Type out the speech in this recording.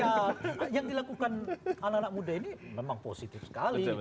ya yang dilakukan anak anak muda ini memang positif sekali